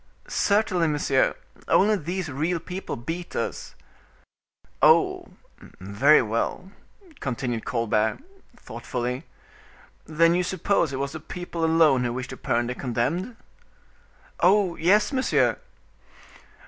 "Certainly, monsieur; only these real people beat us." "Oh! very well," continued Colbert, thoughtfully. "Then you suppose it was the people alone who wished to burn the condemned?" "Oh! yes, monsieur."